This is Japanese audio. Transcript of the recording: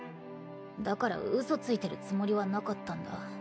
だから嘘ついてるつもりはなかったんだ。